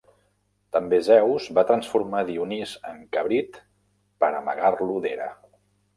També Zeus va transformar Dionís en cabrit per amagar-lo d'Hera.